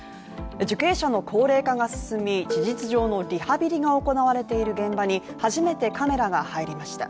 受刑者の高齢化が進み、事実上のリハビリが行われている現場に初めてカメラが入りました。